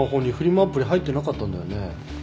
アプリ入ってなかったんだよね？